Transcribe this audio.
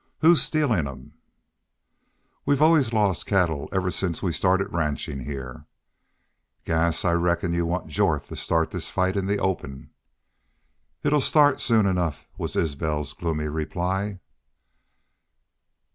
Who's stealin' 'em?" "We've always lost cattle ever since we started ranchin' heah." "Gas, I reckon yu want Jorth to start this fight in the open." "It'll start soon enough," was Isbel's gloomy reply.